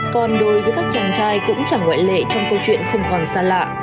còn đối với các chàng trai cũng chẳng ngoại lệ trong câu chuyện không còn xa lạ